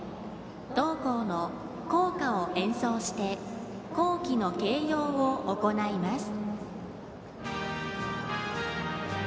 同校の校歌を演奏して校旗の掲揚を行います。